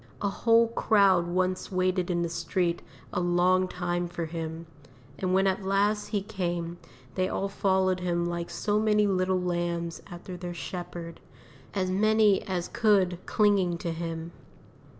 A whole crowd once waited in the street a long time for him, and when at last he came, they all followed him like so many little lambs after their shepherd, as many as could clinging to him.